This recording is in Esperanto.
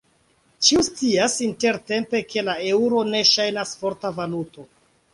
Ĉiu scias intertempe ke la eŭro ne ŝajnas forta valuto.